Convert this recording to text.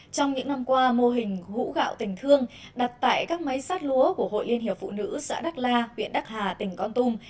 trong những năm qua mô hình hũ gạo tình thương đặt tại các máy sát lúa của hội liên hiệp phụ nữ xã đắc la huyện đắc hà tỉnh con tum